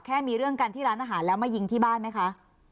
มีเรื่องกันที่ร้านอาหารแล้วมายิงที่บ้านไหมคะ